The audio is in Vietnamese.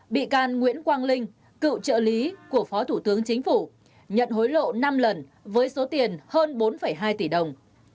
bị can nguyễn quang linh cựu trợ lý của phó thủ tướng chính phủ nhận hối lộ năm lần với số tiền hơn bốn hai tỷ đồng